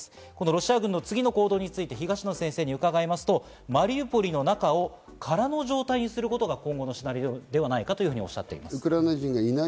ロシア軍の次の行動について東野先生に伺うと、マリウポリの中を空の状態にするということが今後のシナリオではないかということです。